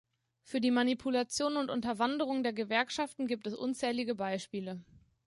Für die Manipulation und Unterwanderung der Gewerkschaften gibt es unzählige Beispiele.